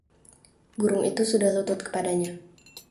burung itu sudah lulut kepadanya